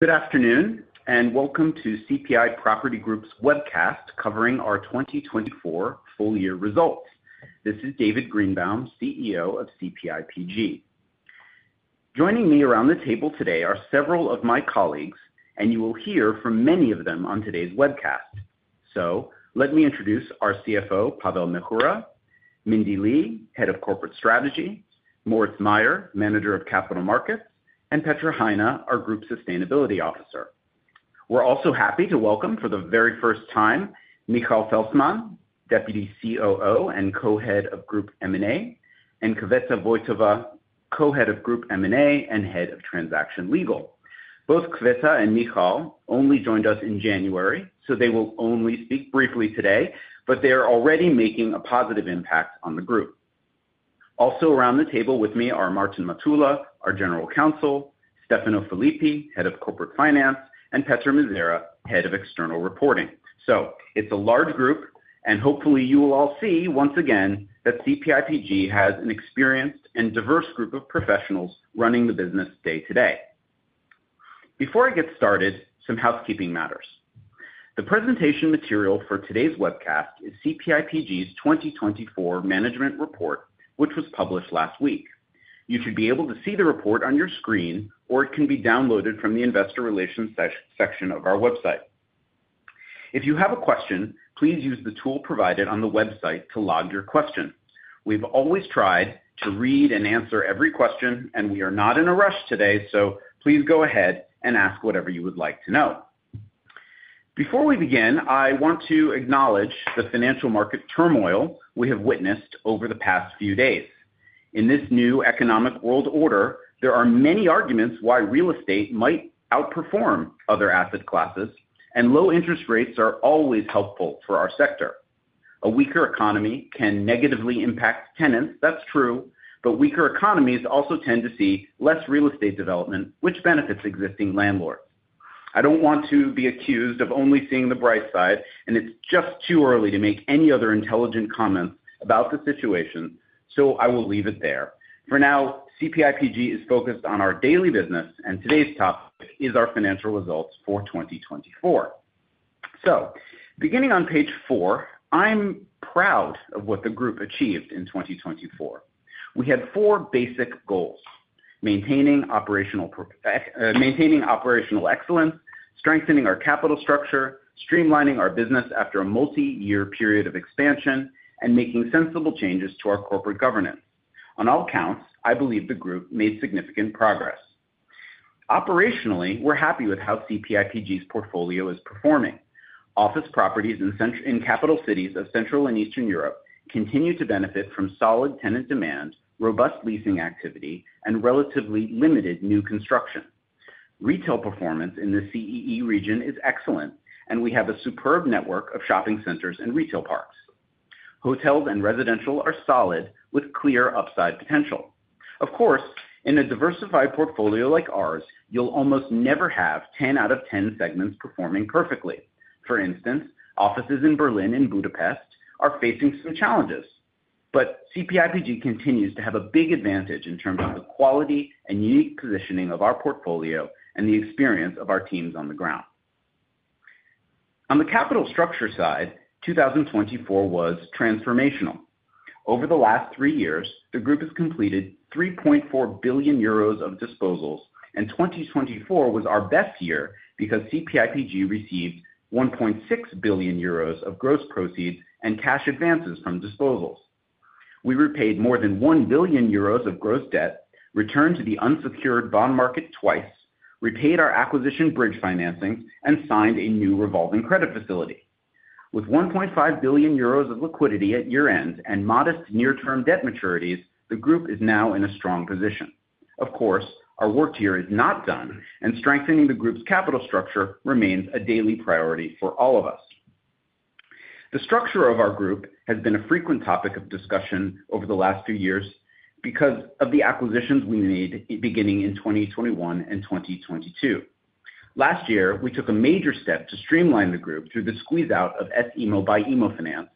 Good afternoon and welcome to CPI Property Group's webcast covering our 2024 full-year results. This is David Greenbaum, CEO of CPIPG. Joining me around the table today are several of my colleagues, and you will hear from many of them on today's webcast. Let me introduce our CFO, Pavel Měchura, Mindee Lee, Head of Corporate Strategy, Moritz Mayer, Manager of Capital Markets, and Petra Hajná Also around the table with me are Martin Matula, our General Counsel, Stefano Filippi, Head of Corporate Finance, and Petra Mízerová, Head of External Reporting. It is a large group, and hopefully you will all see once again that CPIPG has an experienced and diverse group of professionals running the business day to day. Before I get started, some housekeeping matters. The presentation material for today's webcast is CPIPG's 2024 Management Report, which was published last week. You should be able to see the report on your screen, or it can be downloaded from the Investor Relations section of our website. If you have a question, please use the tool provided on the website to log your question. We have always tried to read and answer every question, and we are not in a rush today, so please go ahead and ask whatever you would like to know. Before we begin, I want to acknowledge the financial market turmoil we have witnessed over the past few days. In this new economic world order, there are many arguments why real estate might outperform other asset classes, and low interest rates are always helpful for our sector. A weaker economy can negatively impact tenants, that's true, but weaker economies also tend to see less real estate development, which benefits existing landlords. I don't want to be accused of only seeing the bright side, and it's just too early to make any other intelligent comments about the situation, so I will leave it there. For now, CPIPG is focused on our daily business, and today's topic is our financial results for 2024. Beginning on Page four, I'm proud of what the group achieved in 2024. We had four basic goals: maintaining operational excellence, strengthening our capital structure, streamlining our business after a multi-year period of expansion, and making sensible changes to our corporate governance. On all counts, I believe the group made significant progress. Operationally, we're happy with how CPIPG's portfolio is performing. Office properties in capital cities of Central and Eastern Europe continue to benefit from solid tenant demand, robust leasing activity, and relatively limited new construction. Retail performance in the CEE region is excellent, and we have a superb network of shopping centers and retail parks. Hotels and residential are solid with clear upside potential. Of course, in a diversified portfolio like ours, you'll almost never have 10 out of 10 segments performing perfectly. For instance, offices in Berlin and Budapest are facing some challenges, but CPIPG continues to have a big advantage in terms of the quality and unique positioning of our portfolio and the experience of our teams on the ground. On the capital structure side, 2024 was transformational. Over the last three years, the group has completed 3.4 billion euros of disposals, and 2024 was our best year because CPIPG received 1.6 billion euros of gross proceeds and cash advances from disposals. We repaid more than 1 billion euros of gross debt, returned to the unsecured bond market twice, repaid our acquisition bridge financing, and signed a new revolving credit facility. With 1.5 billion euros of liquidity at year-end and modest near-term debt maturities, the group is now in a strong position. Of course, our work here is not done, and strengthening the group's capital structure remains a daily priority for all of us. The structure of our group has been a frequent topic of discussion over the last few years because of the acquisitions we made beginning in 2021 and 2022. Last year, we took a major step to streamline the group through the squeeze-out of S IMMO by Immofinanz.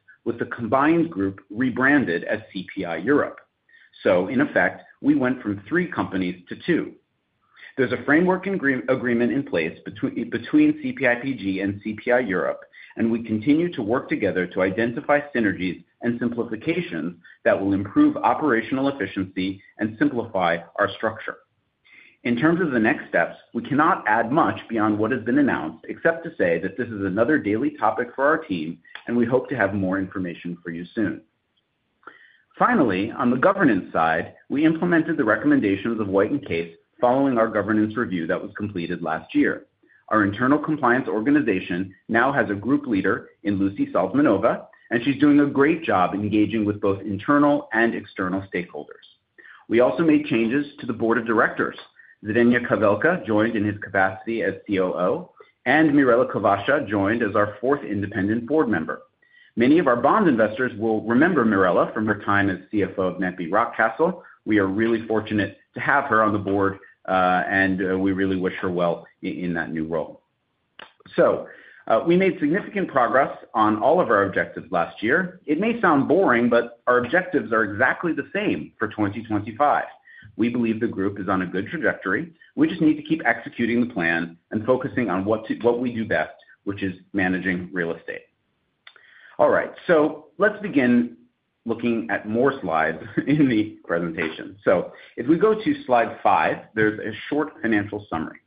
Finally, on the governance side, we implemented the recommendations of White & Case following our governance review that was completed last year. Our internal compliance organization now has a group leader in Luc ieSalzmanová, and she's doing a great job engaging with both internal and external stakeholders. We also made changes to the board of directors. Zdeněk Havelka joined in his capacity as COO, and Mirela Covasa We just need to keep executing the plan and focusing on what we do best, which is managing real estate. All right, let's begin looking at more slides in the presentation. If we go to Slide five, there is a short financial summary.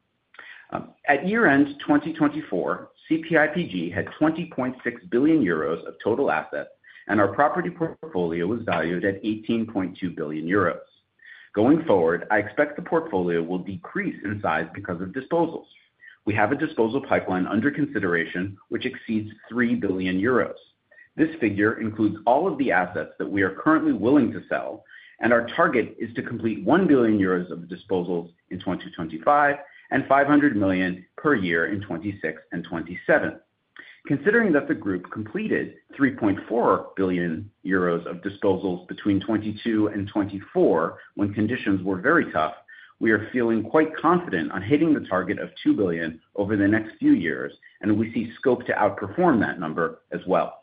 At year-end 2024, CPIPG had 20.6 billion euros of total assets, and our property portfolio was valued at 18.2 billion euros. Going forward, I expect the portfolio will decrease in size because of disposals. We have a disposal pipeline under consideration which exceeds 3 billion euros. This figure includes all of the assets that we are currently willing to sell, and our target is to complete 1 billion euros of disposals in 2025 and 500 million per year in 2026 and 2027. Considering that the group completed 3.4 billion euros of disposals between 2022 and 2024 when conditions were very tough, we are feeling quite confident on hitting the target of 2 billion over the next few years, and we see scope to outperform that number as well.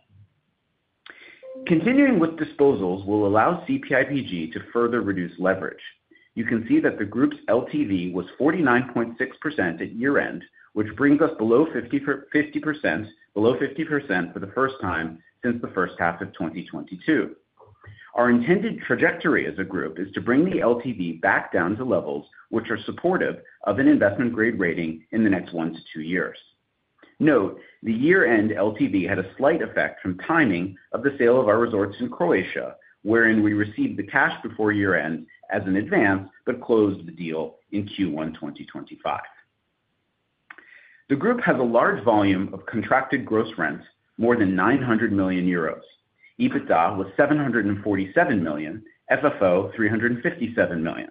Continuing with disposals will allow CPIPG to further reduce leverage. You can see that the group's LTV was 49.6% at year-end, which brings us below 50% for the first time since the first half of 2022. Our intended trajectory as a group is to bring the LTV back down to levels which are supportive of an investment-grade rating in the next one to two years. Note, the year-end LTV had a slight effect from timing of the sale of our resorts in Croatia, wherein we received the cash before year-end as an advance but closed the deal in Q1 2025. The group has a large volume of contracted gross rent, more than 900 million euros. EBITDA was 747 million, FFO 357 million.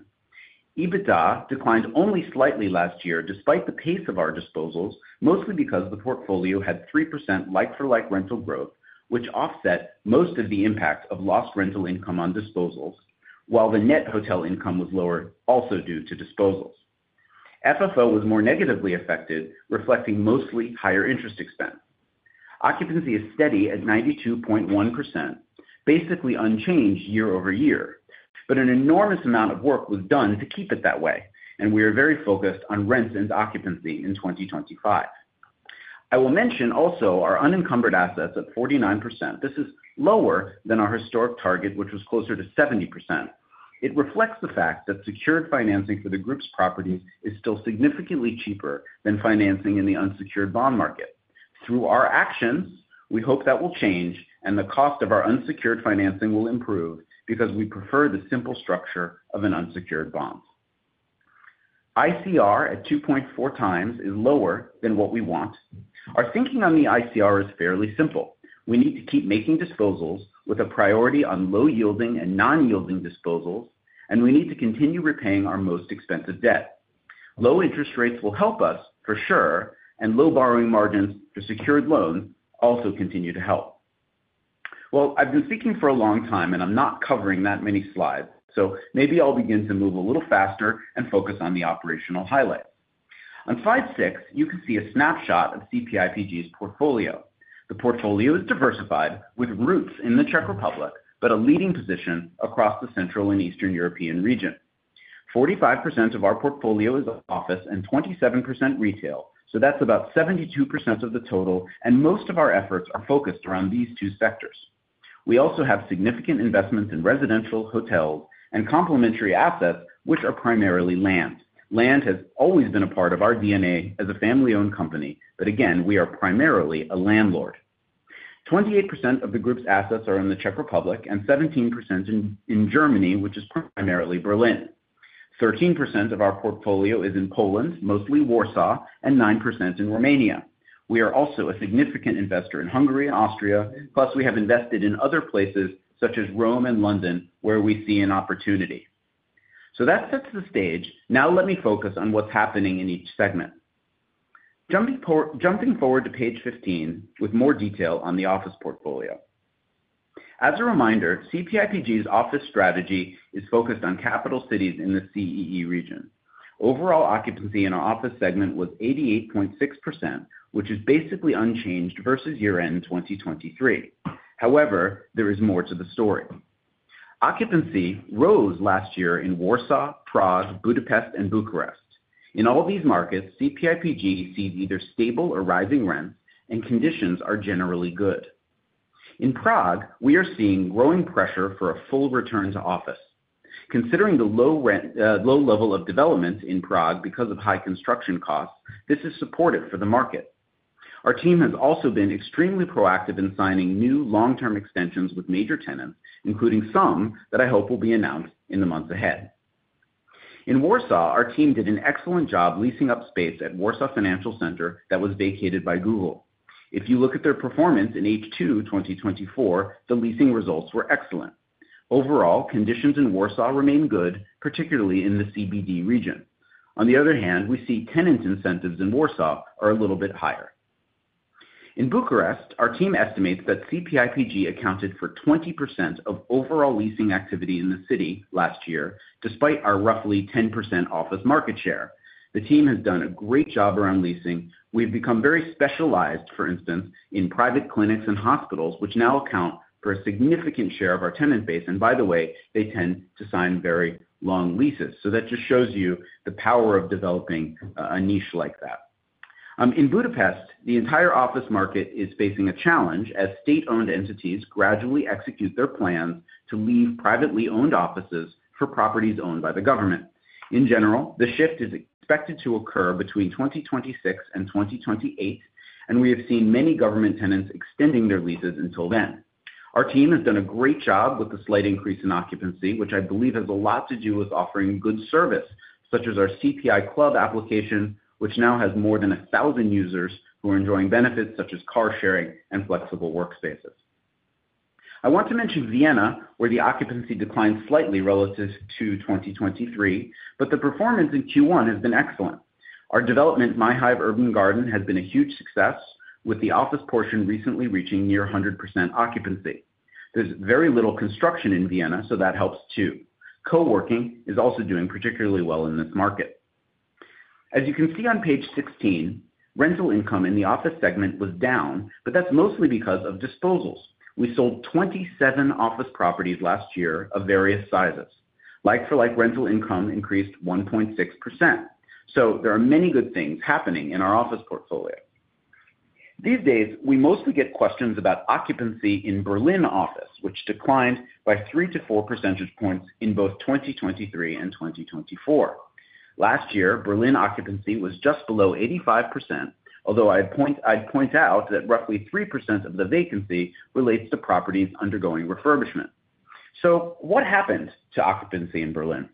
EBITDA declined only slightly last year despite the pace of our disposals, mostly because the portfolio had 3% like-for-like rental growth, which offset most of the impact of lost rental income on disposals, while the net hotel income was lower also due to disposals. FFO was more negatively affected, reflecting mostly higher interest expense. Occupancy is steady at 92.1%, basically unchanged year-over-year, but an enormous amount of work was done to keep it that way, and we are very focused on rents and occupancy in 2025. I will mention also our unencumbered assets at 49%. This is lower than our historic target, which was closer to 70%. It reflects the fact that secured financing for the group's properties is still significantly cheaper than financing in the unsecured bond market. Through our actions, we hope that will change, and the cost of our unsecured financing will improve because we prefer the simple structure of an unsecured bond. ICR at 2.4x is lower than what we want. Our thinking on the ICR is fairly simple. We need to keep making disposals with a priority on low-yielding and non-yielding disposals, and we need to continue repaying our most expensive debt. Low interest rates will help us, for sure, and low borrowing margins for secured loans also continue to help. I have been speaking for a long time, and I am not covering that many slides, so maybe I will begin to move a little faster and focus on the operational highlights. On slide six, you can see a snapshot of CPIPG's portfolio. The portfolio is diversified with roots in the Czech Republic, but a leading position across the Central and Eastern European region. 45% of our portfolio is office and 27% retail, so that's about 72% of the total, and most of our efforts are focused around these two sectors. We also have significant investments in residential, hotel, and complementary assets, which are primarily land. Land has always been a part of our DNA as a family-owned company, but again, we are primarily a landlord. 28% of the group's assets are in the Czech Republic and 17% in Germany, which is primarily Berlin. 13% of our portfolio is in Poland, mostly Warsaw, and 9% in Romania. We are also a significant investor in Hungary and Austria, plus we have invested in other places such as Rome and London, where we see an opportunity. That sets the stage. Now let me focus on what's happening in each segment. Jumping forward to page 15 with more detail on the office portfolio. As a reminder, CPIPG's office strategy is focused on capital cities in the CEE region. Overall occupancy in our office segment was 88.6%, which is basically unchanged versus year-end 2023. However, there is more to the story. Occupancy rose last year in Warsaw, Prague, Budapest, and Bucharest. In all these markets, CPIPG sees either stable or rising rents, and conditions are generally good. In Prague, we are seeing growing pressure for a full return to office. Considering the low level of development in Prague because of high construction costs, this is supportive for the market. Our team has also been extremely proactive in signing new long-term extensions with major tenants, including some that I hope will be announced in the months ahead. In Warsaw, our team did an excellent job leasing up space at Warsaw Financial Center that was vacated by Google. If you look at their performance in H2 2024, the leasing results were excellent. Overall, conditions in Warsaw remain good, particularly in the CBD region. On the other hand, we see tenant incentives in Warsaw are a little bit higher. In Bucharest, our team estimates that CPIPG accounted for 20% of overall leasing activity in the city last year, despite our roughly 10% office market share. The team has done a great job around leasing. We've become very specialized, for instance, in private clinics and hospitals, which now account for a significant share of our tenant base. By the way, they tend to sign very long leases, so that just shows you the power of developing a niche like that. In Budapest, the entire office market is facing a challenge as state-owned entities gradually execute their plans to leave privately owned offices for properties owned by the government. In general, the shift is expected to occur between 2026 and 2028, and we have seen many government tenants extending their leases until then. Our team has done a great job with the slight increase in occupancy, which I believe has a lot to do with offering good service, such as our CPI Club application, which now has more than 1,000 users who are enjoying benefits such as car sharing and flexible workspaces. I want to mention Vienna, where the occupancy declined slightly relative to 2023, but the performance in Q1 has been excellent. Our development, myhive Urban Garden, has been a huge success, with the office portion recently reaching near 100% occupancy. There's very little construction in Vienna, so that helps too. Coworking is also doing particularly well in this market. As you can see on Page 16, rental income in the office segment was down, but that's mostly because of disposals. We sold 27 office properties last year of various sizes. Like-for-like rental income increased 1.6%. There are many good things happening in our office portfolio. These days, we mostly get questions about occupancy in Berlin office, which declined by 3%-4% points in both 2023 and 2024. Last year, Berlin occupancy was just below 85%, although I'd point out that roughly 3% of the vacancy relates to properties undergoing refurbishment. What happened to occupancy in Berlin?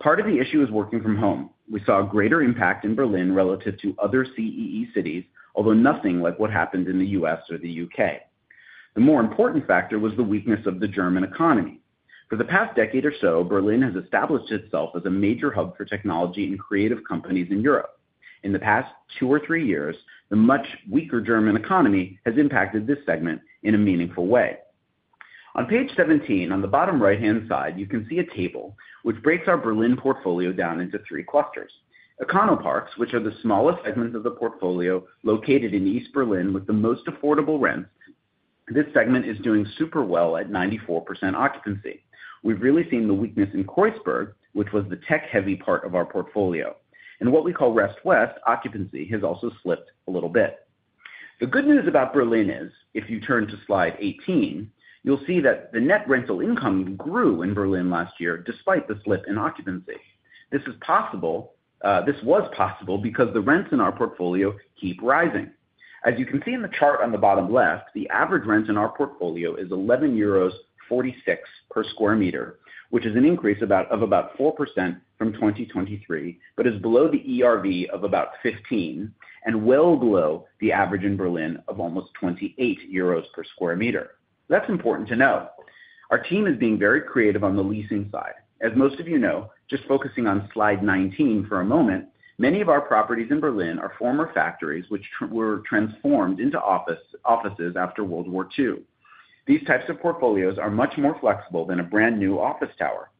Part of the issue is working from home. We saw a greater impact in Berlin relative to other CEE cities, although nothing like what happened in the U.S. or the U.K. The more important factor was the weakness of the German economy. For the past decade or so, Berlin has established itself as a major hub for technology and creative companies in Europe. In the past two or three years, the much weaker German economy has impacted this segment in a meaningful way. On Page 17, on the bottom right-hand side, you can see a table which breaks our Berlin portfolio down into three clusters. Econoparks, which are the smallest segments of the portfolio located in East Berlin with the most affordable rents, this segment is doing super well at 94% occupancy. We've really seen the weakness in Kreuzberg, which was the tech-heavy part of our portfolio. What we call Rest West, occupancy has also slipped a little bit. The good news about Berlin is, if you turn to slide 18, you'll see that the net rental income grew in Berlin last year despite the slip in occupancy. This was possible because the rents in our portfolio keep rising. As you can see in the chart on the bottom left, the average rent in our portfolio is 11.46 euros per sq m, which is an increase of about 4% from 2023, but is below the ERV of about 15 and well below the average in Berlin of almost 28 euros per sq m. That's important to know. Our team is being very creative on the leasing side. As most of you know, just focusing on Slide 19 for a moment, many of our properties in Berlin are former factories which were transformed into offices after World War II. These types of portfolios are much more flexible than a brand new office tower.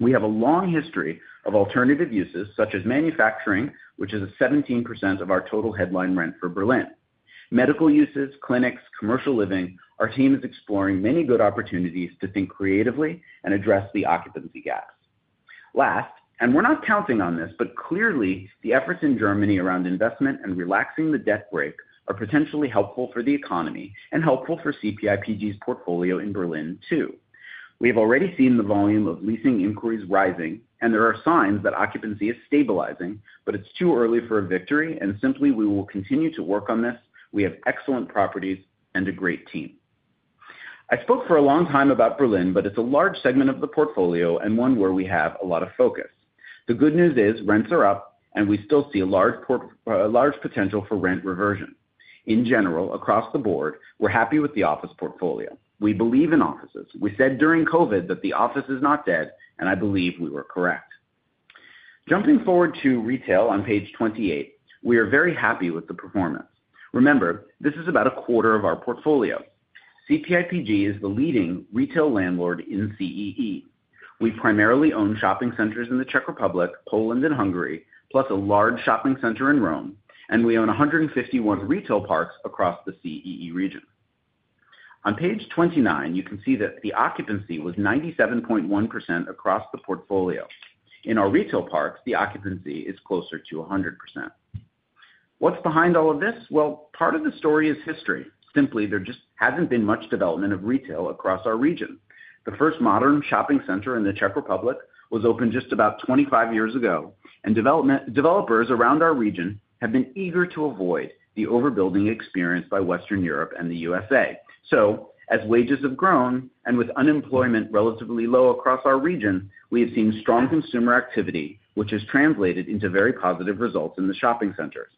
We have a long history of alternative uses such as manufacturing, which is 17% of our total headline rent for Berlin. Medical uses, clinics, commercial living, our team is exploring many good opportunities to think creatively and address the occupancy gaps. Last, and we're not counting on this, but clearly the efforts in Germany around investment and relaxing the debt brake are potentially helpful for the economy and helpful for CPIPG's portfolio in Berlin too. We have already seen the volume of leasing inquiries rising, and there are signs that occupancy is stabilizing, but it's too early for a victory, and simply we will continue to work on this. We have excellent properties and a great team. I spoke for a long time about Berlin, but it's a large segment of the portfolio and one where we have a lot of focus. The good news is rents are up, and we still see a large potential for rent reversion. In general, across the board, we're happy with the office portfolio. We believe in offices. We said during COVID that the office is not dead, and I believe we were correct. Jumping forward to retail on Page 28, we are very happy with the performance. Remember, this is about a quarter of our portfolio. CPIPG is the leading retail landlord in CEE. We primarily own shopping centers in the Czech Republic, Poland, and Hungary, plus a large shopping center in Rome, and we own 151 retail parks across the CEE region. On Page 29, you can see that the occupancy was 97.1% across the portfolio. In our retail parks, the occupancy is closer to 100%. What is behind all of this? Part of the story is history. Simply, there just has not been much development of retail across our region. The first modern shopping center in the Czech Republic was opened just about 25 years ago, and developers around our region have been eager to avoid the overbuilding experienced by Western Europe and the U.S.A. As wages have grown and with unemployment relatively low across our region, we have seen strong consumer activity, which has translated into very positive results in the shopping centers.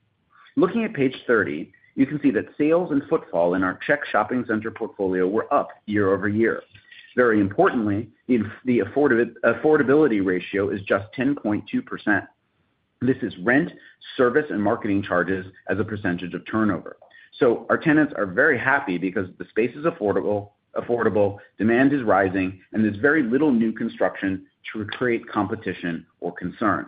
Looking at page 30, you can see that sales and footfall in our Czech shopping center portfolio were up year-over-year. Very importantly, the affordability ratio is just 10.2%. This is rent, service, and marketing charges as a percentage of turnover. Our tenants are very happy because the space is affordable, demand is rising, and there's very little new construction to create competition or concern.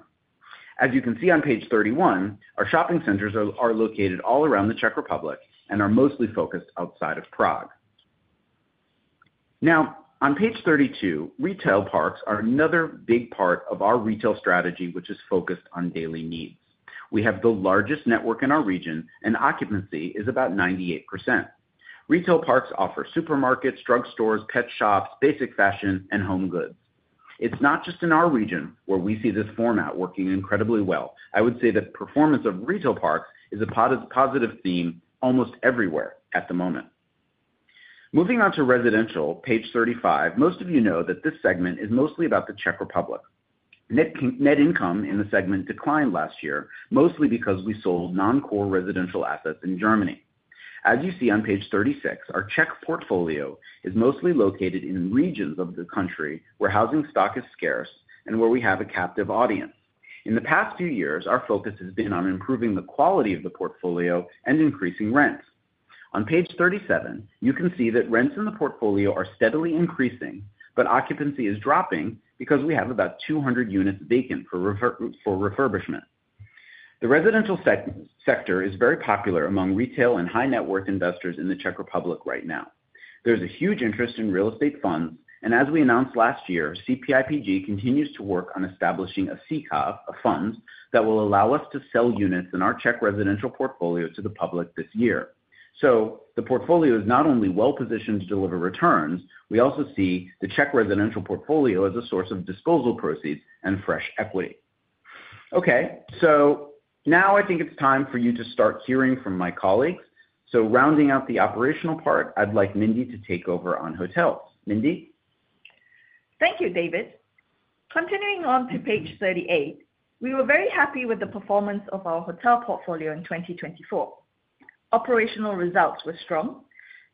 As you can see on Page 31, our shopping centers are located all around the Czech Republic and are mostly focused outside of Prague. Now, on Page 32, retail parks are another big part of our retail strategy, which is focused on daily needs. We have the largest network in our region, and occupancy is about 98%. Retail parks offer supermarkets, drugstores, pet shops, basic fashion, and home goods. It's not just in our region where we see this format working incredibly well. I would say the performance of retail parks is a positive theme almost everywhere at the moment. Moving on to residential, Page 35, most of you know that this segment is mostly about the Czech Republic. Net income in the segment declined last year, mostly because we sold non-core residential assets in Germany. As you see on Page 36, our Czech portfolio is mostly located in regions of the country where housing stock is scarce and where we have a captive audience. In the past few years, our focus has been on improving the quality of the portfolio and increasing rents. On page 37, you can see that rents in the portfolio are steadily increasing, but occupancy is dropping because we have about 200 units vacant for refurbishment. The residential sector is very popular among retail and high-net-worth investors in the Czech Republic right now. There's a huge interest in real estate funds, and as we announced last year, CPIPG continues to work on establishing a SICAV The portfolio is not only well-positioned to deliver returns, we also see the Czech residential portfolio as a source of disposal proceeds and fresh equity. Okay, I think it's time for you to start hearing from my colleagues. Rounding out the operational part, I'd like Mindee to take over on hotels. Mindy. Thank you, David. Continuing on to Page 38, we were very happy with the performance of our hotel portfolio in 2024. Operational results were strong,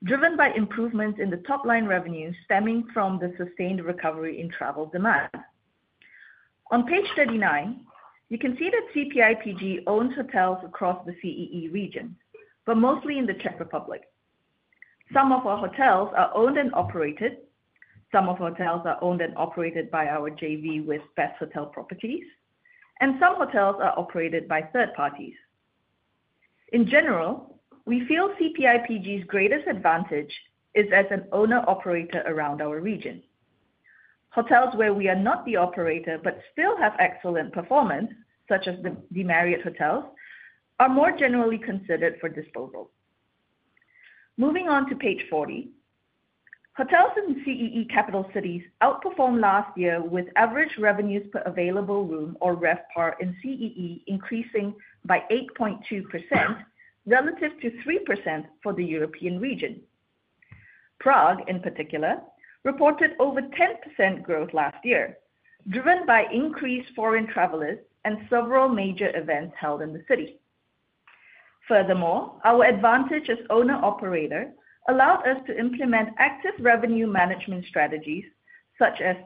driven by improvements in the top-line revenue stemming from the sustained recovery in travel demand. On Page 39, you can see that CPIPG owns hotels across the CEE region, but mostly in the Czech Republic. Some of our hotels are owned and operated. Some of our hotels are owned and operated by our JV with Best Hotel Properties, and some hotels are operated by third parties. In general, we feel CPIPG's greatest advantage is as an owner-operator around our region. Hotels where we are not the operator but still have excellent performance, such as the Marriott Hotels, are more generally considered for disposal. Moving on to page 40, hotels in CEE capital cities outperformed last year with average revenues per available room or RevPAR in CEE increasing by 8.2% relative to 3% for the European region. Prague, in particular, reported over 10% growth last year, driven by increased foreign travelers and several major events held in the city. Furthermore, our advantage as owner-operator allowed us to implement active revenue management strategies such as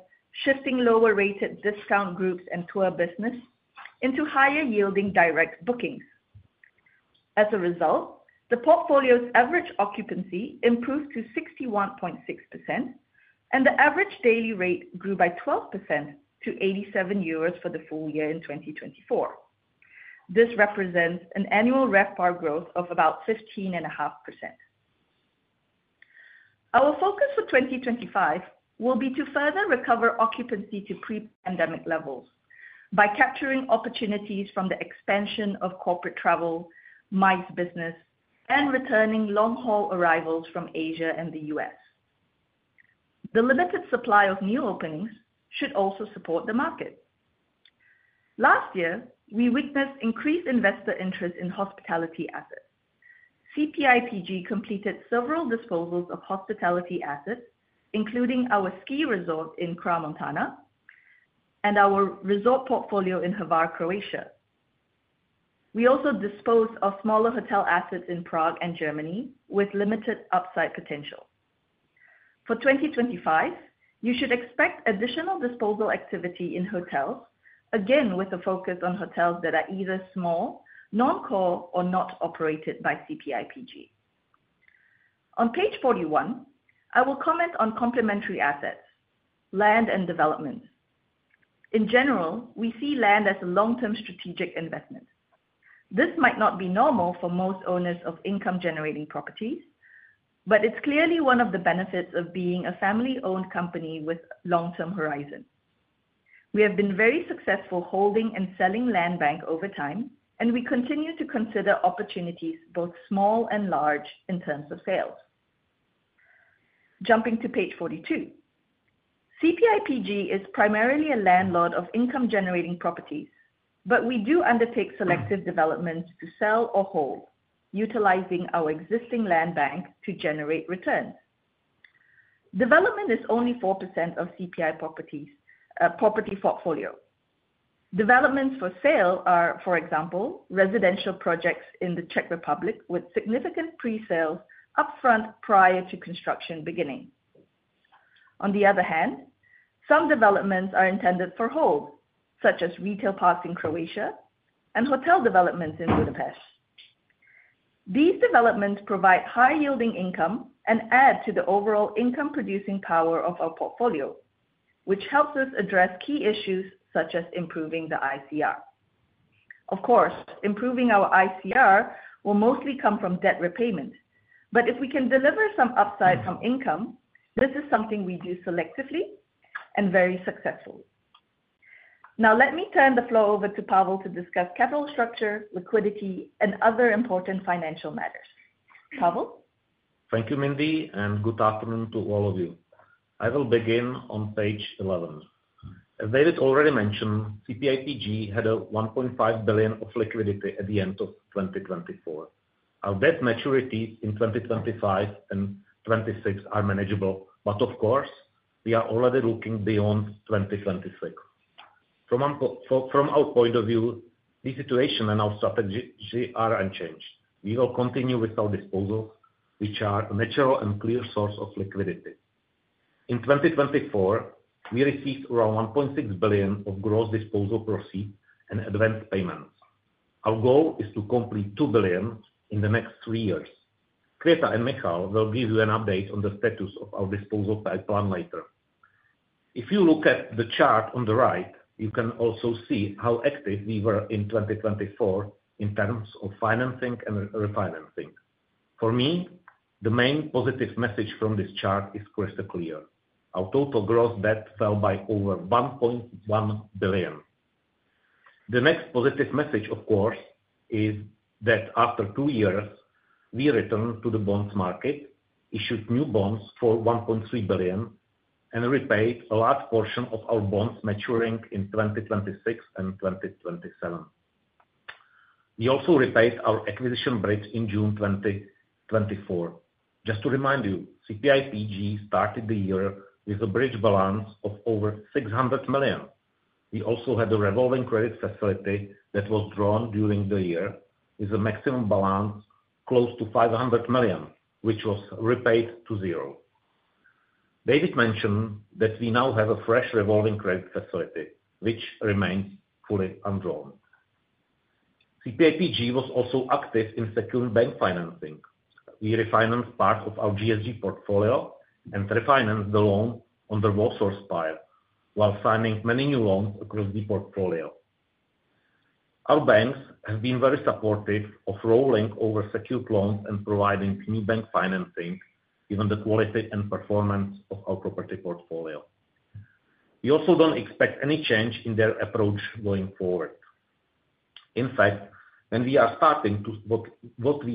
shifting lower-rated discount groups and tour business into higher-yielding direct bookings. As a result, the portfolio's average occupancy improved to 61.6%, and the average daily rate grew by 12% to 87 euros for the full year in 2024. This represents an annual RevPAR growth of about 15.5%. Our focus for 2025 will be to further recover occupancy to pre-pandemic levels by capturing opportunities from the expansion of corporate travel, MICE business, and returning long-haul arrivals from Asia and the U.S. The limited supply of new openings should also support the market. Last year, we witnessed increased investor interest in hospitality assets. CPIPG completed several disposals of hospitality assets, including our ski resort in Crans-Montana and our resort portfolio in Hvar, Croatia. We also disposed of smaller hotel assets in Prague and Germany with limited upside potential. For 2025, you should expect additional disposal activity in hotels, again with a focus on hotels that are either small, non-core, or not operated by CPIPG. On Page 41, I will comment on complementary assets, land and development. In general, we see land as a long-term strategic investment. This might not be normal for most owners of income-generating properties, but it's clearly one of the benefits of being a family-owned company with a long-term horizon. We have been very successful holding and selling land bank over time, and we continue to consider opportunities both small and large in terms of sales. Jumping to page 42, CPIPG is primarily a landlord of income-generating properties, but we do undertake selective developments to sell or hold, utilizing our existing land bank to generate returns. Development is only 4% of CPI Property Group portfolio. Developments for sale are, for example, residential projects in the Czech Republic with significant pre-sales upfront prior to construction beginning. On the other hand, some developments are intended for hold, such as retail parks in Croatia and hotel developments in Budapest. These developments provide high-yielding income and add to the overall income-producing power of our portfolio, which helps us address key issues such as improving the ICR. Of course, improving our ICR will mostly come from debt repayment, but if we can deliver some upside from income, this is something we do selectively and very successfully. Now, let me turn the floor over to Pavel to discuss capital structure, liquidity, and other important financial matters. Pavel. Thank you, Mindee, and good afternoon to all of you. I will begin on page 12. As David already mentioned, CPIPG had 1.5 billion of liquidity at the end of 2024. Our debt maturities in 2025 and 2026 are manageable, but of course, we are already looking beyond 2026. From our point of view, the situation and our strategy are unchanged. We will continue with our disposals, which are a natural and clear source of liquidity. In 2024, we received around 1.6 billion of gross disposal proceeds and advance payments. Our goal is to complete 2 billion in the next three years. Květa and Michal will give you an update on the status of our disposal pipeline later. If you look at the chart on the right, you can also see how active we were in 2024 in terms of financing and refinancing. For me, the main positive message from this chart is crystal clear. Our total gross debt fell by over 1.1 billion. The next positive message, of course, is that after two years, we returned to the bonds market, issued new bonds for 1.3 billion, and repaid a large portion of our bonds maturing in 2026 and 2027. We also repaid our acquisition bridge in June 2024. Just to remind you, CPIPG started the year with a bridge balance of over 600 million. We also had a revolving credit facility that was drawn during the year with a maximum balance close to 500 million, which was repaid to zero. David mentioned that we now have a fresh revolving credit facility, which remains fully undrawn. CPIPG was also active in secure bank financing. We refinanced part of our GSG portfolio and refinanced the loan on the Roosevelt pile while signing many new loans across the portfolio. Our banks have been very supportive of rolling over secured loans and providing new bank financing given the quality and performance of our property portfolio. We also do not expect any change in their approach going forward. In fact, what we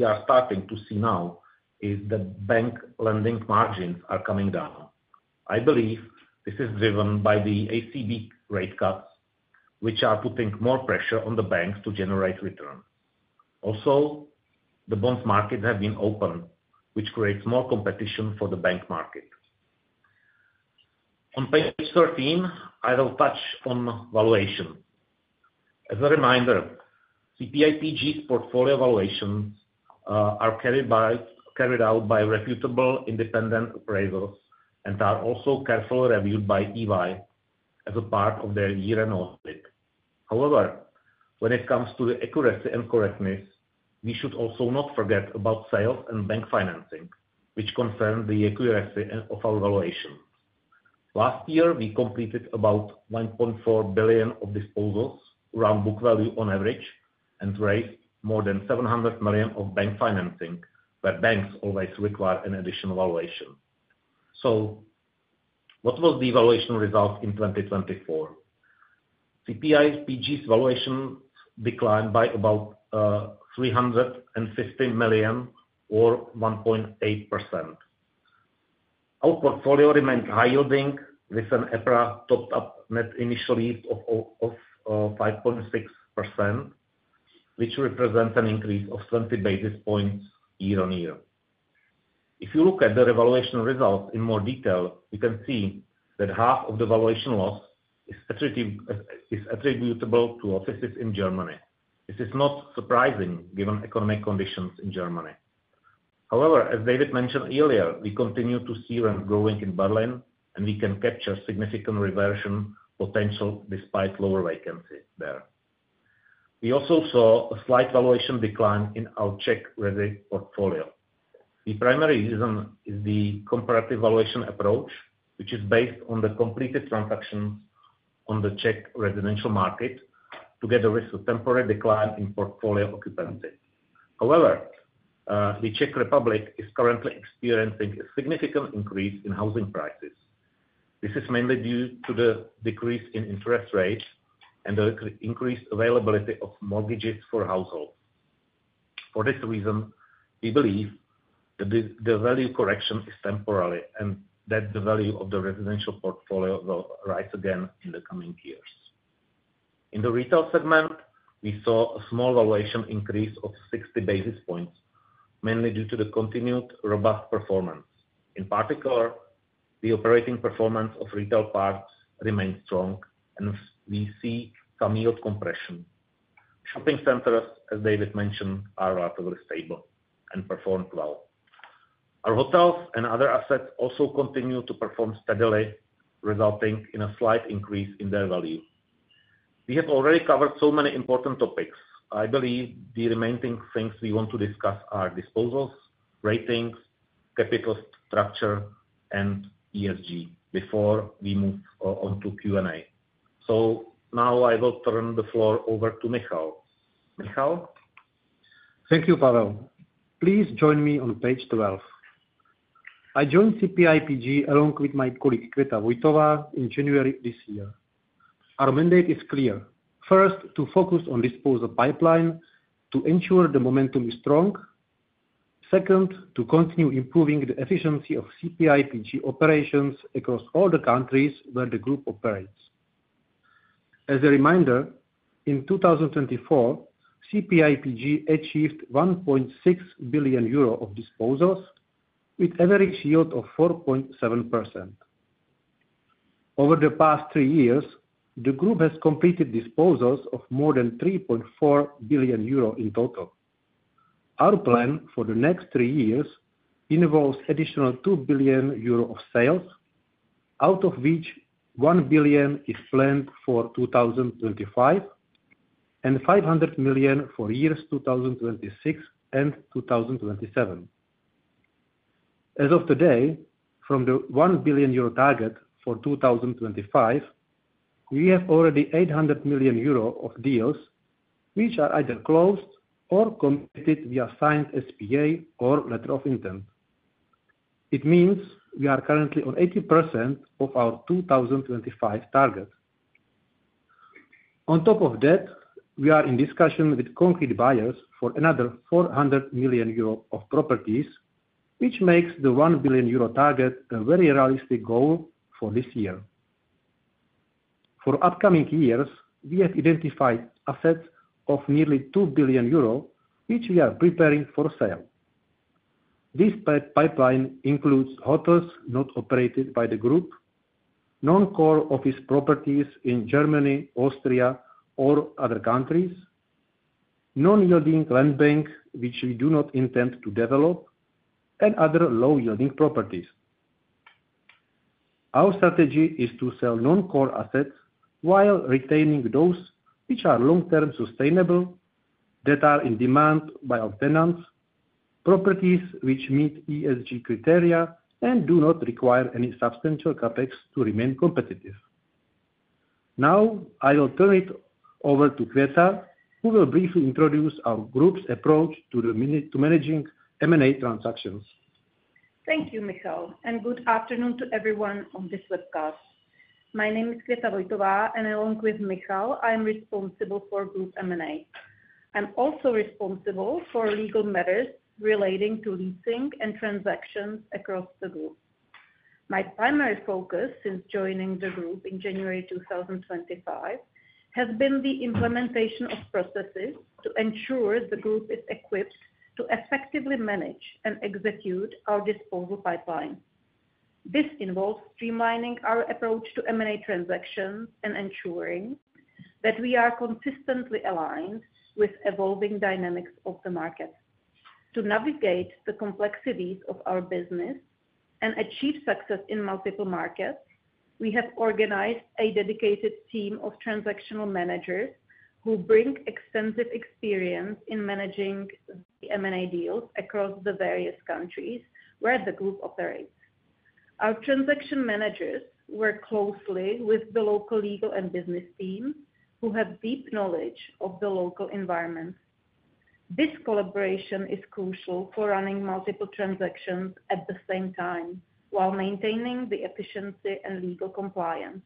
are starting to see now is that bank lending margins are coming down. I believe this is driven by the ECB rate cuts, which are putting more pressure on the banks to generate returns. Also, the bonds market has been open, which creates more competition for the bank market. On page 13, I will touch on valuation. As a reminder, CPIPG's portfolio valuations are carried out by reputable independent appraisals and are also carefully reviewed by EY as a part of their year-end audit. However, when it comes to the accuracy and correctness, we should also not forget about sales and bank financing, which concern the accuracy of our valuation. Last year, we completed about 1.4 billion of disposals around book value on average and raised more than 700 million of bank financing, where banks always require an additional valuation. What was the valuation result in 2024? CPIPG's valuation declined by about 350 million or 1.8%. Our portfolio remained high-yielding with an EPRA topped-up net initial yield of 5.6%, which represents an increase of 20 basis points year-on-year. If you look at the revaluation results in more detail, you can see that half of the valuation loss is attributable to offices in Germany. This is not surprising given economic conditions in Germany. However, as David mentioned earlier, we continue to see rents growing in Berlin, and we can capture significant reversion potential despite lower vacancy there. We also saw a slight valuation decline in our Czech resident portfolio. The primary reason is the comparative valuation approach, which is based on the completed transactions on the Czech residential market together with a temporary decline in portfolio occupancy. However, the Czech Republic is currently experiencing a significant increase in housing prices. This is mainly due to the decrease in interest rates and the increased availability of mortgages for households. For this reason, we believe that the value correction is temporary and that the value of the residential portfolio will rise again in the coming years. In the retail segment, we saw a small valuation increase of 60 basis points, mainly due to the continued robust performance. In particular, the operating performance of retail parks remained strong, and we see some yield compression. Shopping centers, as David mentioned, are relatively stable and performed well. Our hotels and other assets also continue to perform steadily, resulting in a slight increase in their value. We have already covered so many important topics. I believe the remaining things we want to discuss are disposals, ratings, capital structure, and ESG before we move on to Q&A. I will turn the floor over to Michal. Michal. Thank you, Pavel. Please join me on page 12. I joined CPIPG along with my colleague Květa Vojtová in January this year. Our mandate is clear. First, to focus on the disposal pipeline to ensure the momentum is strong. Second, to continue improving the efficiency of CPIPG operations across all the countries where the group operates. As a reminder, in 2024, CPIPG achieved 1.6 billion euro of disposals with average yield of 4.7%. Over the past three years, the group has completed disposals of more than 3.4 billion euro in total. Our plan for the next three years involves additional 2 billion euro of sales, out of which 1 billion is planned for 2025 and 500 million for years 2026 and 2027. As of today, from the 1 billion euro target for 2025, we have already 800 million euro of deals which are either closed or completed via signed SPA or letter of intent. It means we are currently on 80% of our 2025 target. On top of that, we are in discussion with concrete buyers for another 400 million euro of properties, which makes the 1 billion euro target a very realistic goal for this year. For upcoming years, we have identified assets of nearly 2 billion euro, which we are preparing for sale. This pipeline includes hotels not operated by the group, non-core office properties in Germany, Austria, or other countries, non-yielding land banks which we do not intend to develop, and other low-yielding properties. Our strategy is to sell non-core assets while retaining those which are long-term sustainable, that are in demand by our tenants, properties which meet ESG criteria and do not require any substantial CapEx to remain competitive. Now, I will turn it over to Květa, who will briefly introduce our group's approach to managing M&A transactions. Thank you, Michal, and good afternoon to everyone on this webcast. My name is Květa Vojtová, and along with Michal, I am responsible for Group M&A. I'm also responsible for legal matters relating to leasing and transactions across the group. My primary focus since joining the group in January 2025 has been the implementation of processes to ensure the group is equipped to effectively manage and execute our disposal pipeline. This involves streamlining our approach to M&A transactions and ensuring that we are consistently aligned with evolving dynamics of the market. To navigate the complexities of our business and achieve success in multiple markets, we have organized a dedicated team of transactional managers who bring extensive experience in managing the M&A deals across the various countries where the group operates. Our transaction managers work closely with the local legal and business teams who have deep knowledge of the local environment. This collaboration is crucial for running multiple transactions at the same time while maintaining the efficiency and legal compliance.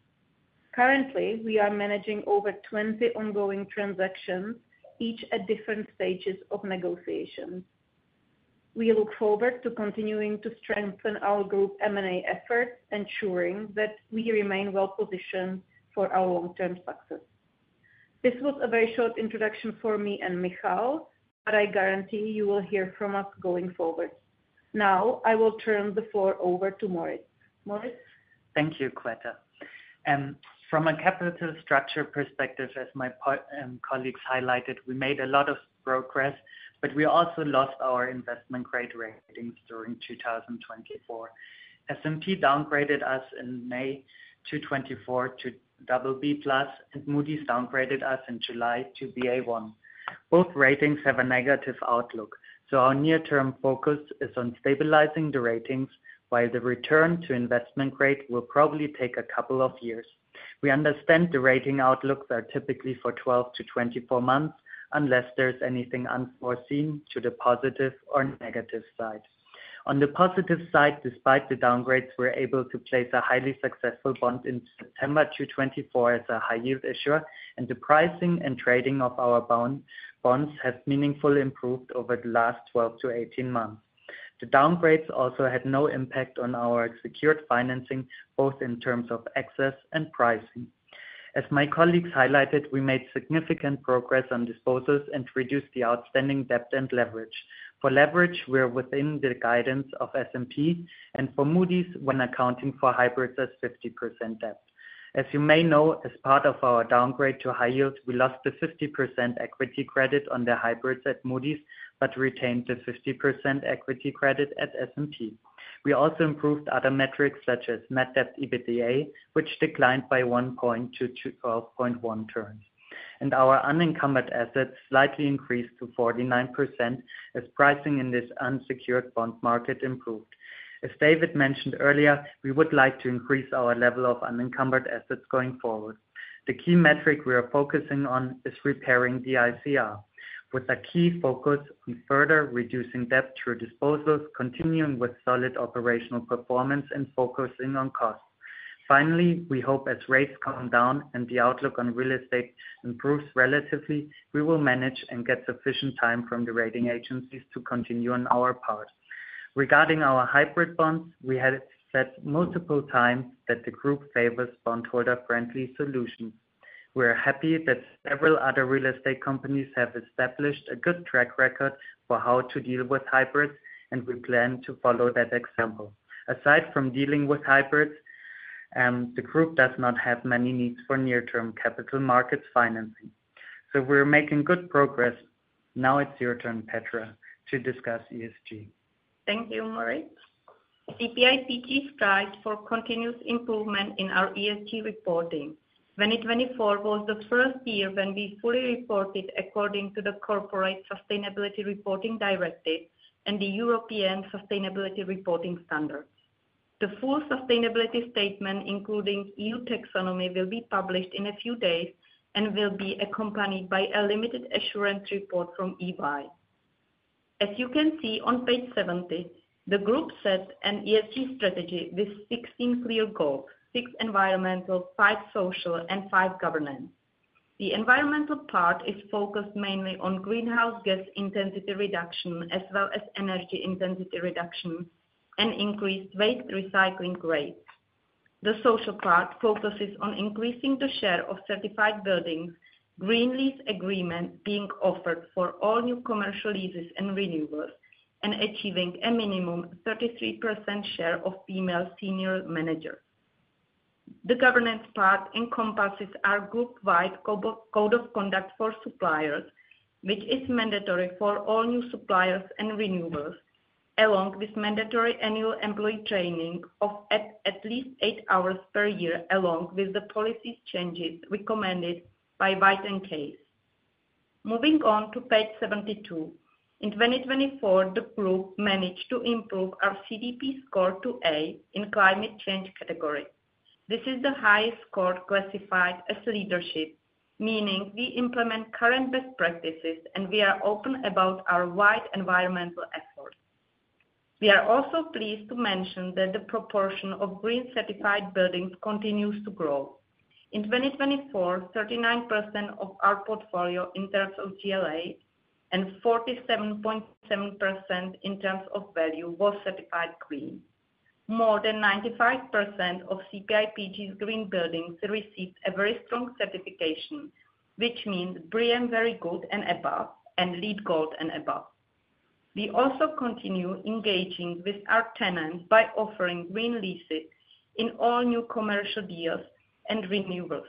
Currently, we are managing over 20 ongoing transactions, each at different stages of negotiation. We look forward to continuing to strengthen our group M&A efforts, ensuring that we remain well-positioned for our long-term success. This was a very short introduction for me and Michal, but I guarantee you will hear from us going forward. Now, I will turn the floor over to Moritz. Moritz. Thank you, Květa. From a capital structure perspective, as my colleagues highlighted, we made a lot of progress, but we also lost our investment grade ratings during 2024. S&P downgraded us in May 2024 to BB+, and Moody's downgraded us in July to Ba1. Both ratings have a negative outlook, so our near-term focus is on stabilizing the ratings, while the return to investment grade will probably take a couple of years. We understand the rating outlooks are typically for 12-24 months, unless there's anything unforeseen to the positive or negative side. On the positive side, despite the downgrades, we're able to place a highly successful bond in September 2024 as a high-yield issuer, and the pricing and trading of our bonds has meaningfully improved over the last 12-18 months. The downgrades also had no impact on our secured financing, both in terms of access and pricing. As my colleagues highlighted, we made significant progress on disposals and reduced the outstanding debt and leverage. For leverage, we're within the guidance of S&P, and for Moody's, when accounting for hybrids, that's 50% debt. As you may know, as part of our downgrade to high yield, we lost the 50% equity credit on the hybrids at Moody's, but retained the 50% equity credit at S&P. We also improved other metrics such as net debt EBITDA, which declined by 1.2-12.1 turns. Our unencumbered assets slightly increased to 49% as pricing in this unsecured bond market improved. As David mentioned earlier, we would like to increase our level of unencumbered assets going forward. The key metric we are focusing on is repairing the ICR, with a key focus on further reducing debt through disposals, continuing with solid operational performance and focusing on costs. Finally, we hope as rates come down and the outlook on real estate improves relatively, we will manage and get sufficient time from the rating agencies to continue on our part. Regarding our hybrid bonds, we have said multiple times that the group favors bondholder-friendly solutions. We are happy that several other real estate companies have established a good track record for how to deal with hybrids, and we plan to follow that example. Aside from dealing with hybrids, the group does not have many needs for near-term capital markets financing. We are making good progress. Now it is your turn, Petra, to discuss ESG. Thank you, Moritz. CPIPG strives for continuous improvement in our ESG reporting. 2024 was the first year when we fully reported according to the Corporate Sustainability Reporting Directive and the European Sustainability Reporting Standards. The full sustainability statement, including EU taxonomy, will be published in a few days and will be accompanied by a limited assurance report from EY. As you can see on page 70, the group sets an ESG strategy with 16 clear goals: six environmental, five social, and five governance. The environmental part is focused mainly on greenhouse gas intensity reduction as well as energy intensity reduction and increased waste recycling rates. The social part focuses on increasing the share of certified buildings, green lease agreements being offered for all new commercial leases and renewals, and achieving a minimum 33% share of female senior managers. The governance part encompasses our group-wide code of conduct for suppliers, which is mandatory for all new suppliers and renewals, along with mandatory annual employee training of at least eight hours per year, along with the policy changes recommended by White & Case. Moving on to page 72, in 2024, the group managed to improve our CDP score to A in climate change category. This is the highest score classified as leadership, meaning we implement current best practices and we are open about our wide environmental efforts. We are also pleased to mention that the proportion of green certified buildings continues to grow. In 2024, 39% of our portfolio in terms of GLA and 47.7% in terms of value was certified green. More than 95% of CPIPG's green buildings received a very strong certification, which means BREEAM Very Good and Above and LEED Gold and Above. We also continue engaging with our tenants by offering green leases in all new commercial deals and renewals.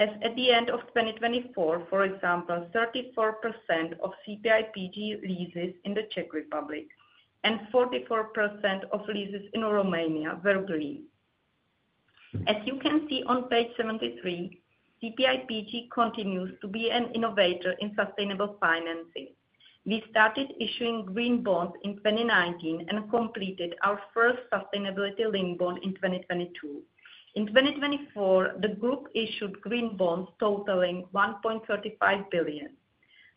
As at the end of 2024, for example, 34% of CPIPG leases in the Czech Republic and 44% of leases in Romania were green. As you can see on page 73, CPIPG continues to be an innovator in sustainable financing. We started issuing green bonds in 2019 and completed our first sustainability-linked bond in 2022. In 2024, the group issued green bonds totaling 1.35 billion.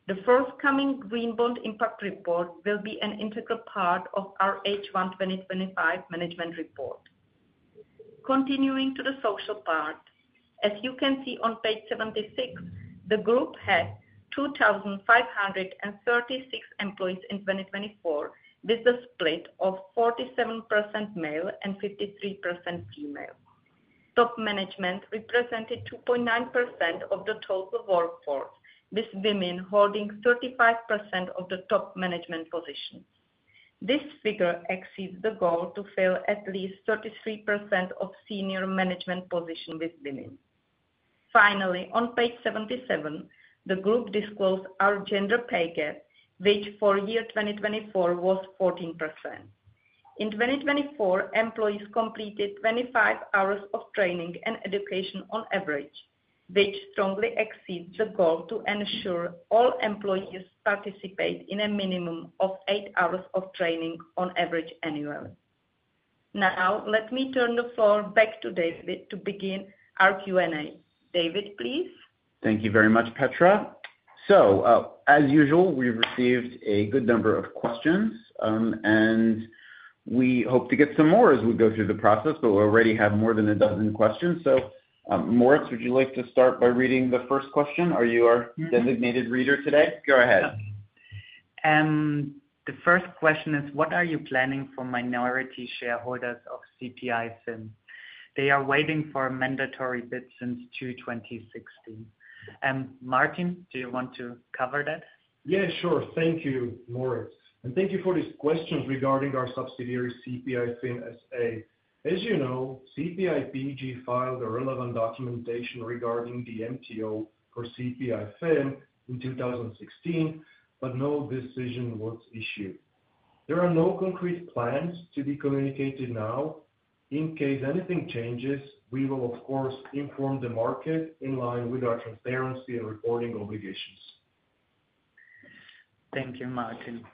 The forthcoming green bond impact report will be an integral part of our H1 2025 management report. Continuing to the social part, as you can see on page 76, the group had 2,536 employees in 2024 with a split of 47% male and 53% female. Top management represented 2.9% of the total workforce, with women holding 35% of the top management positions. This figure exceeds the goal to fill at least 33% of senior management positions with women. Finally, on page 77, the group disclosed our gender pay gap, which for year 2024 was 14%. In 2024, employees completed 25 hours of training and education on average, which strongly exceeds the goal to ensure all employees participate in a minimum of eight hours of training on average annually. Now, let me turn the floor back to David to begin our Q&A. David, please. Thank you very much, Petra. As usual, we received a good number of questions, and we hope to get some more as we go through the process, but we already have more than a dozen questions. Moritz, would you like to start by reading the first question? Are you our designated reader today? Go ahead. The first question is, what are you planning for minority shareholders of CPI FIM? They are waiting for a mandatory bid since 2016. Martin, do you want to cover that? Yeah, sure. Thank you, Moritz. And thank you for these questions regarding our subsidiary CPI FIM SA. As you know, CPIPG filed the relevant documentation regarding the MTO for CPI FIM in 2016, but no decision was issued. There are no concrete plans to be communicated now. In case anything changes, we will, of course, inform the market in line with our transparency and reporting obligations. Thank you, Martin.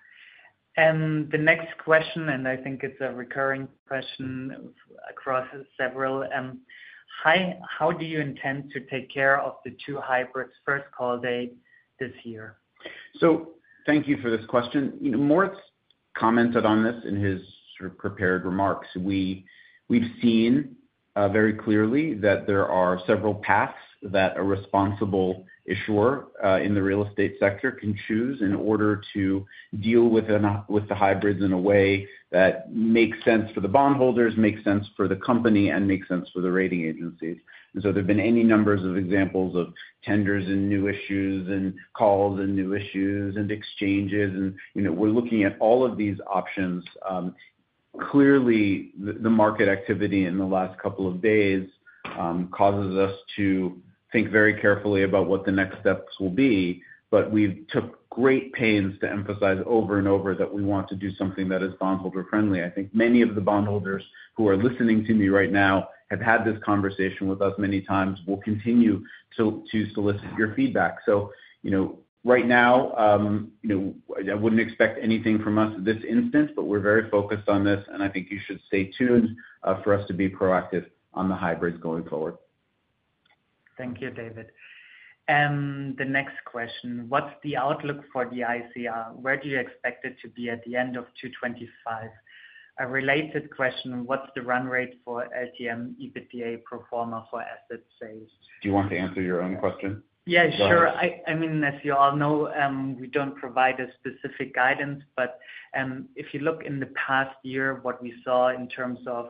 The next question, and I think it's a recurring question across several, how do you intend to take care of the two hybrids' first call date this year? Thank you for this question. Moritz commented on this in his prepared remarks. We've seen very clearly that there are several paths that a responsible issuer in the real estate sector can choose in order to deal with the hybrids in a way that makes sense for the bondholders, makes sense for the company, and makes sense for the rating agencies. There have been any numbers of examples of tenders and new issues and calls and new issues and exchanges. We are looking at all of these options. Clearly, the market activity in the last couple of days causes us to think very carefully about what the next steps will be, but we have took great pains to emphasize over and over that we want to do something that is bondholder-friendly. I think many of the bondholders who are listening to me right now have had this conversation with us many times and will continue to solicit your feedback. Right now, I would not expect anything from us at this instance, but we are very focused on this, and I think you should stay tuned for us to be proactive on the hybrids going forward. Thank you, David. The next question, what is the outlook for the ICR? Where do you expect it to be at the end of 2025? A related question, what's the run rate for LTM EBITDA performer for asset sales? Do you want to answer your own question? Yeah, sure. I mean, as you all know, we don't provide a specific guidance, but if you look in the past year, what we saw in terms of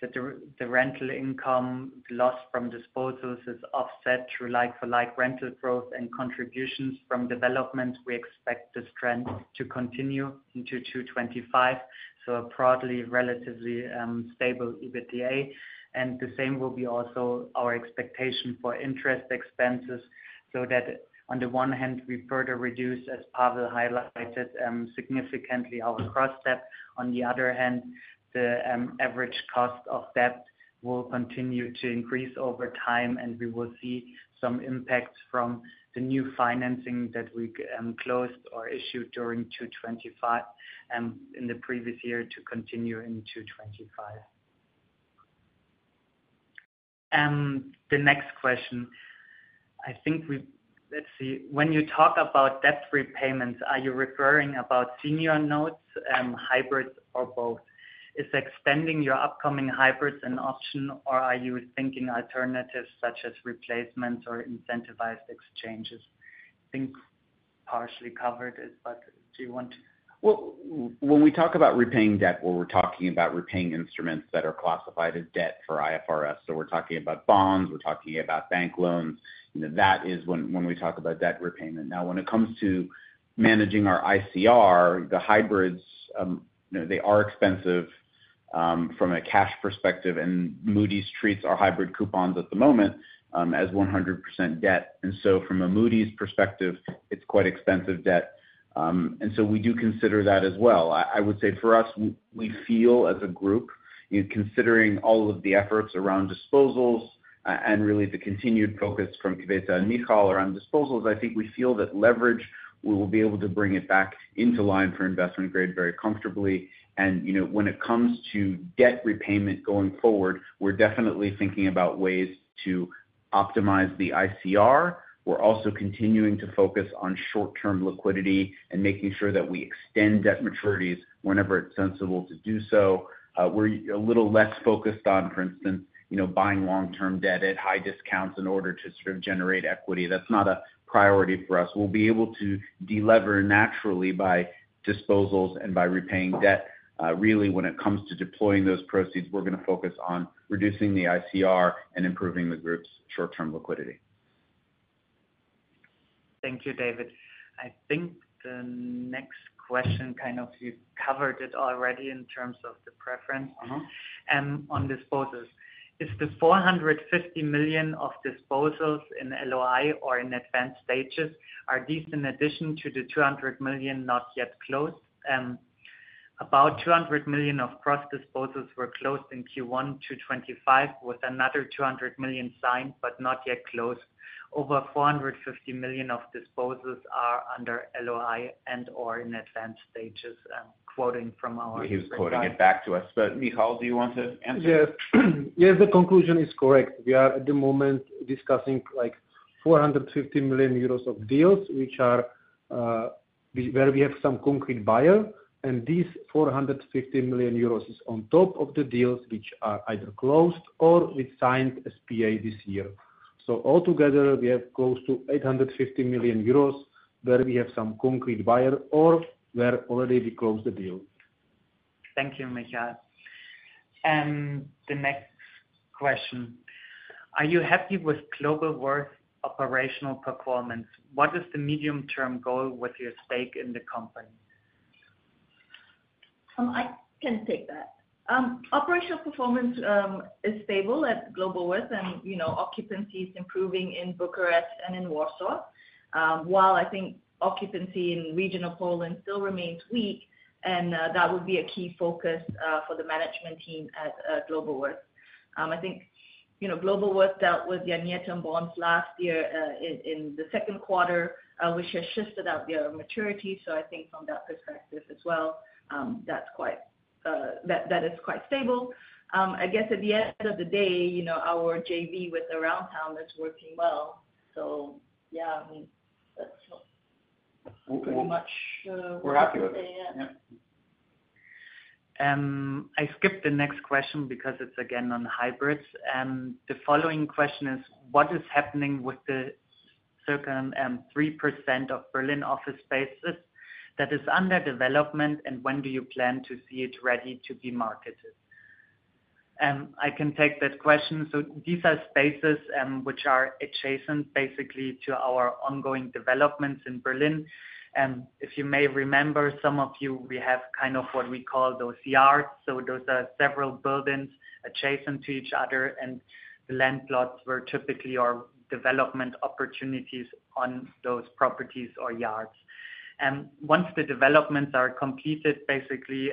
the rental income lost from disposals is offset through like-for-like rental growth and contributions from development. We expect this trend to continue into 2025, so a broadly relatively stable EBITDA. The same will be also our expectation for interest expenses, so that on the one hand, we further reduce, as Pavel highlighted, significantly our cost depth. On the other hand, the average cost of debt will continue to increase over time, and we will see some impact from the new financing that we closed or issued during 2025 and in the previous year to continue in 2025. The next question, I think we—let's see. When you talk about debt repayments, are you referring to senior notes, hybrids, or both? Is extending your upcoming hybrids an option, or are you thinking alternatives such as replacements or incentivized exchanges? I think partially covered it, but do you want to— when we talk about repaying debt, we're talking about repaying instruments that are classified as debt for IFRS. So we're talking about bonds, we're talking about bank loans. That is when we talk about debt repayment. Now, when it comes to managing our ICR, the hybrids, they are expensive from a cash perspective, and Moody's treats our hybrid coupons at the moment as 100% debt. From a Moody's perspective, it is quite expensive debt. We do consider that as well. I would say for us, we feel as a group, considering all of the efforts around disposals and really the continued focus from Kavitha and Michal around disposals, I think we feel that leverage, we will be able to bring it back into line for investment grade very comfortably. When it comes to debt repayment going forward, we are definitely thinking about ways to optimize the ICR. We are also continuing to focus on short-term liquidity and making sure that we extend debt maturities whenever it is sensible to do so. We're a little less focused on, for instance, buying long-term debt at high discounts in order to sort of generate equity. That's not a priority for us. We'll be able to delever naturally by disposals and by repaying debt. Really, when it comes to deploying those proceeds, we're going to focus on reducing the ICR and improving the group's short-term liquidity. Thank you, David. I think the next question kind of—you covered it already in terms of the preference on disposals. Is the 450 million of disposals in LOI or in advanced stages? Are these, in addition to the 200 million, not yet closed? About 200 million of cross-disposals were closed in Q1 2025, with another 200 million signed but not yet closed. Over 450 million of disposals are under LOI and/or in advanced stages, quoting from our— he was quoting it back to us. Michal, do you want to answer? Yes. Yes, the conclusion is correct. We are at the moment discussing 450 million euros of deals where we have some concrete buyer, and these 450 million euros is on top of the deals which are either closed or we signed SPA this year. Altogether, we have close to 850 million euros where we have some concrete buyer or where already we closed the deal. Thank you, Michal. The next question, are you happy with Globalworth operational performance? What is the medium-term goal with your stake in the company? I can take that. Operational performance is stable at Globalworth, and occupancy is improving in Bucharest and in Warsaw, while I think occupancy in regional Poland still remains weak, and that would be a key focus for the management team at Globalworth. I think Globalworth dealt with Janieta and bonds last year in the second quarter, which has shifted out their maturity. I think from that perspective as well, that is quite stable. I guess at the end of the day, our JV with Aroundtown is working well. Yeah, that's pretty much—we're happy with it. I skipped the next question because it's again on hybrids. The following question is, what is happening with the circa 3% of Berlin office spaces that is under development, and when do you plan to see it ready to be marketed? I can take that question. These are spaces which are adjacent basically to our ongoing developments in Berlin. If you may remember, some of you, we have kind of what we call those yards. Those are several buildings adjacent to each other, and the landlords were typically our development opportunities on those properties or yards. Once the developments are completed, basically,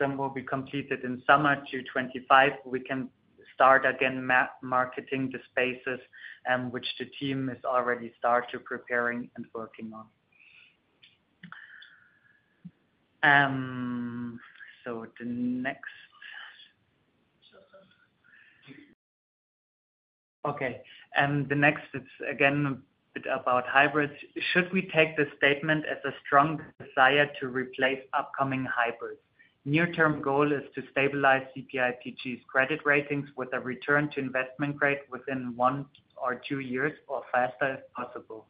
some will be completed in summer 2025, we can start again marketing the spaces, which the team has already started preparing and working on. The next is again a bit about hybrids. Should we take the statement as a strong desire to replace upcoming hybrids? Near-term goal is to stabilize CPIPG's credit ratings with a return to investment grade within one or two years or faster if possible.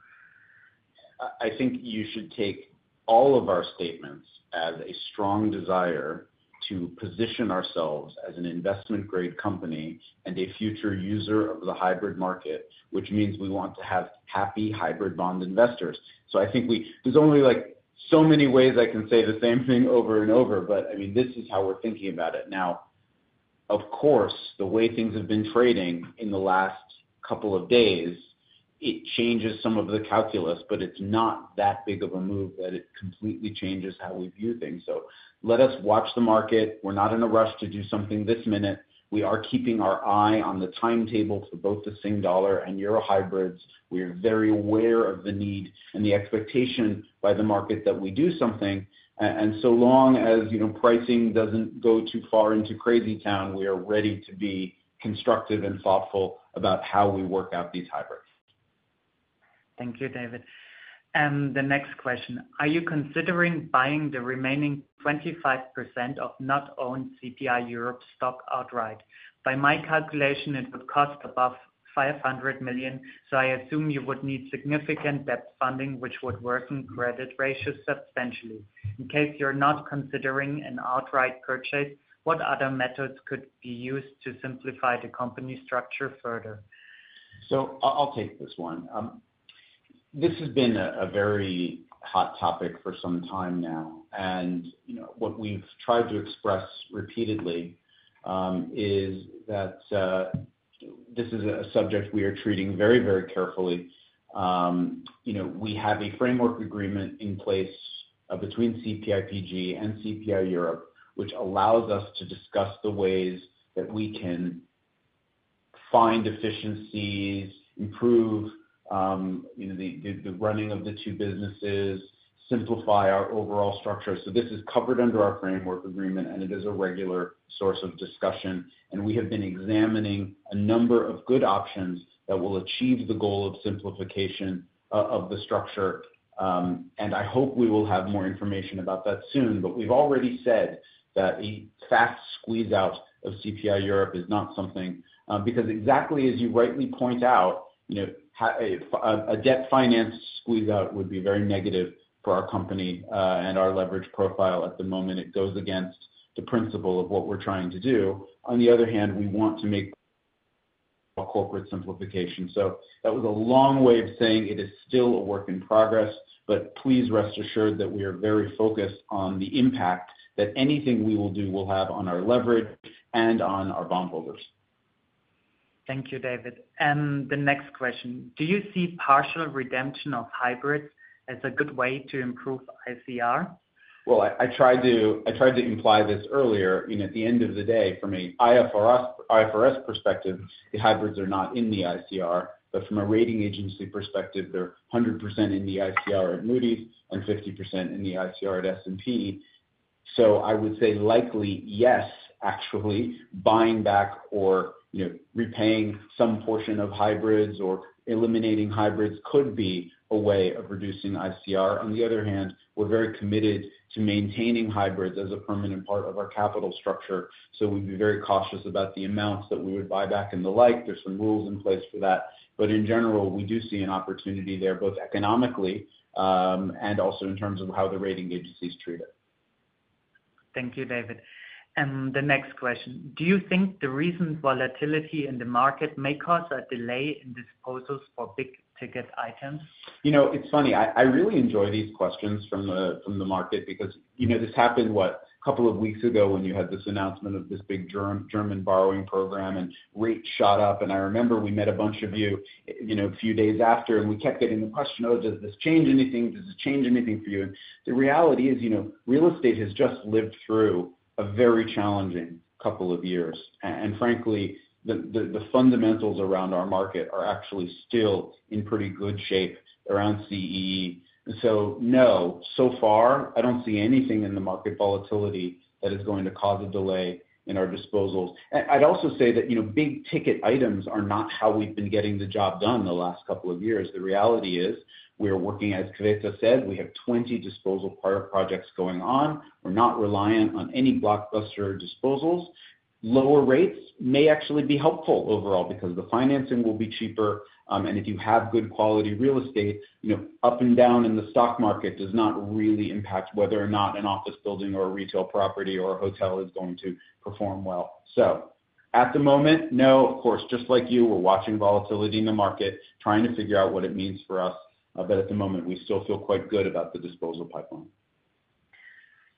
I think you should take all of our statements as a strong desire to position ourselves as an investment-grade company and a future user of the hybrid market, which means we want to have happy hybrid bond investors. I think there's only so many ways I can say the same thing over and over, but I mean, this is how we're thinking about it. Now, of course, the way things have been trading in the last couple of days, it changes some of the calculus, but it's not that big of a move that it completely changes how we view things. Let us watch the market. We're not in a rush to do something this minute. We are keeping our eye on the timetable for both the Sing Dollar and Euro Hybrids. We are very aware of the need and the expectation by the market that we do something. So long as pricing doesn't go too far into Crazy Town, we are ready to be constructive and thoughtful about how we work out these hybrids. Thank you, David. The next question, are you considering buying the remaining 25% of not-owned CPI Europe stock outright? By my calculation, it would cost above 500 million, so I assume you would need significant debt funding, which would worsen credit ratios substantially. In case you're not considering an outright purchase, what other methods could be used to simplify the company structure further? I'll take this one. This has been a very hot topic for some time now, and what we've tried to express repeatedly is that this is a subject we are treating very, very carefully. We have a framework agreement in place between CPIPG and CPI Europe, which allows us to discuss the ways that we can find efficiencies, improve the running of the two businesses, simplify our overall structure. This is covered under our framework agreement, and it is a regular source of discussion. We have been examining a number of good options that will achieve the goal of simplification of the structure. I hope we will have more information about that soon, but we have already said that a fast squeeze-out of CPI Europe is not something because exactly as you rightly point out, a debt finance squeeze-out would be very negative for our company and our leverage profile at the moment. It goes against the principle of what we are trying to do. On the other hand, we want to make corporate simplification. That was a long way of saying it is still a work in progress, but please rest assured that we are very focused on the impact that anything we will do will have on our leverage and on our bondholders. Thank you, David. The next question, do you see partial redemption of hybrids as a good way to improve ICR? I tried to imply this earlier. At the end of the day, from an IFRS perspective, the hybrids are not in the ICR, but from a rating agency perspective, they are 100% in the ICR at Moody's and 50% in the ICR at S&P. I would say likely yes, actually. Buying back or repaying some portion of hybrids or eliminating hybrids could be a way of reducing ICR. On the other hand, we are very committed to maintaining hybrids as a permanent part of our capital structure. We would be very cautious about the amounts that we would buy back and the like. There are some rules in place for that. In general, we do see an opportunity there, both economically and also in terms of how the rating agencies treat it. Thank you, David. The next question, do you think the recent volatility in the market may cause a delay in disposals for big-ticket items? It's funny. I really enjoy these questions from the market because this happened, what, a couple of weeks ago when you had this announcement of this big German borrowing program and rates shot up. I remember we met a bunch of you a few days after, and we kept getting the question, "Oh, does this change anything? Does this change anything for you?" The reality is real estate has just lived through a very challenging couple of years. Frankly, the fundamentals around our market are actually still in pretty good shape around CEE. No, so far, I do not see anything in the market volatility that is going to cause a delay in our disposals. I'd also say that big-ticket items are not how we've been getting the job done the last couple of years. The reality is we are working, as Květa said, we have 20 disposal projects going on. We're not reliant on any blockbuster disposals. Lower rates may actually be helpful overall because the financing will be cheaper. If you have good quality real estate, up and down in the stock market does not really impact whether or not an office building or a retail property or a hotel is going to perform well. At the moment, no, of course, just like you, we're watching volatility in the market, trying to figure out what it means for us. At the moment, we still feel quite good about the disposal pipeline.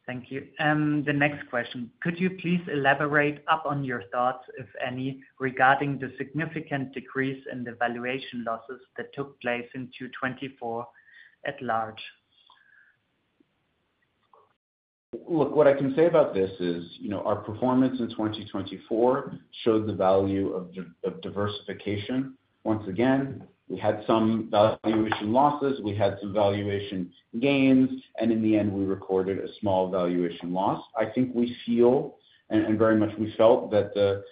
Thank you. The next question, could you please elaborate upon your thoughts, if any, regarding the significant decrease in the valuation losses that took place in Q4 2024 at large? Look, what I can say about this is our performance in 2024 showed the value of diversification. Once again, we had some valuation losses. We had some valuation gains, and in the end, we recorded a small valuation loss. I think we feel, and very much we felt, that the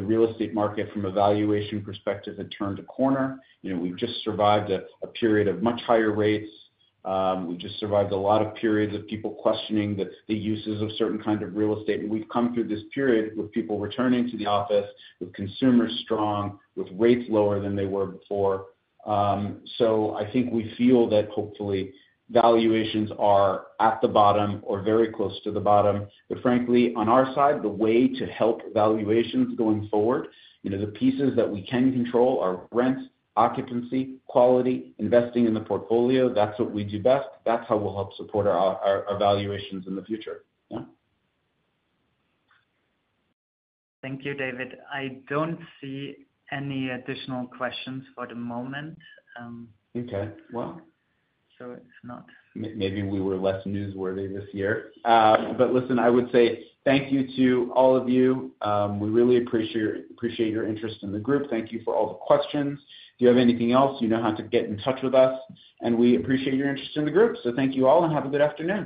real estate market, from a valuation perspective, had turned a corner. We have just survived a period of much higher rates. We have just survived a lot of periods of people questioning the uses of certain kinds of real estate. We have come through this period with people returning to the office, with consumers strong, with rates lower than they were before. I think we feel that hopefully valuations are at the bottom or very close to the bottom. Frankly, on our side, the way to help valuations going forward, the pieces that we can control are rent, occupancy, quality, investing in the portfolio. That is what we do best. That is how we will help support our valuations in the future. Thank you, David. I do not see any additional questions for the moment. Maybe we were less newsworthy this year. Listen, I would say thank you to all of you. We really appreciate your interest in the group. Thank you for all the questions. If you have anything else, you know how to get in touch with us. We appreciate your interest in the group. Thank you all, and have a good afternoon.